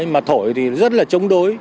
mà thổi thì rất là chống đối